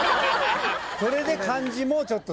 それで漢字もちょっと。